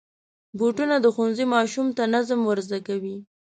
بوټونه د ښوونځي ماشوم ته نظم ور زده کوي.